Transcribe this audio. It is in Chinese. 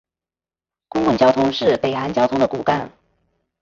公共交通是北韩交通的骨干。